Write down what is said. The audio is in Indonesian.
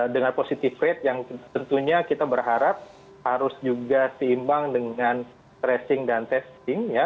dengan positive rate yang tentunya kita berharap harus juga seimbang dengan tracing dan testing ya